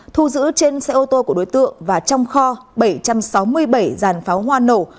thu giữ trên xe ô tô của đối tượng và trong kho bảy trăm sáu mươi bảy dàn pháo hoa nổ